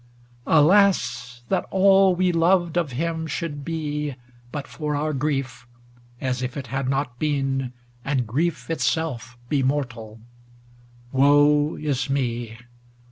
XXI Alas ! that all we loved of him should be, But for our grief, as if it had not been. And grief itself be mortal ! Woe is me